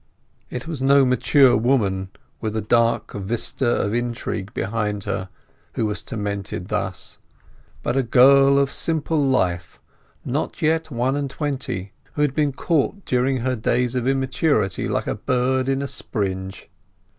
It was no mature woman with a long dark vista of intrigue behind her who was tormented thus, but a girl of simple life, not yet one and twenty, who had been caught during her days of immaturity like a bird in a springe.